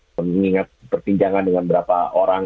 mengingat perbincangan dengan berapa orang